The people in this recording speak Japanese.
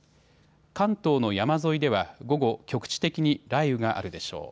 関東の山沿いでは午後、局地的に雷雨があるでしょう。